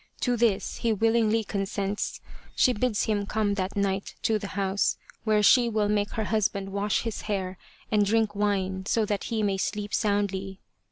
To this he willingly con sents. She bids him come that night to the house, where she will make her husband wash his hair and drink wine so that he may sleep soundly.